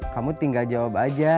kamu tinggal jawab aja